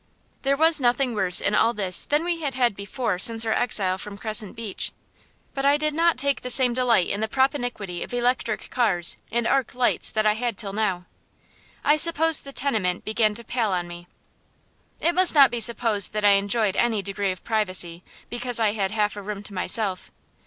There was nothing worse in all this than we had had before since our exile from Crescent Beach; but I did not take the same delight in the propinquity of electric cars and arc lights that I had till now. I suppose the tenement began to pall on me. It must not be supposed that I enjoyed any degree of privacy, because I had half a room to myself.